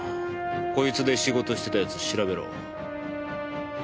こいつで仕事してた奴調べろ。